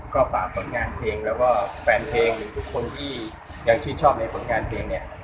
ก็ฝากผลงานเพลงแล้วก็แฟนเพลงหรือทุกคนที่ยังชื่นชอบในผลงานเพลงเนี่ย